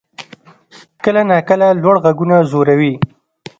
کله ناکله لوړ غږونه ځوروي.